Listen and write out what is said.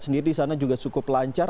sendiri disana juga cukup lancar